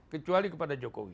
kecuali kepada jokowi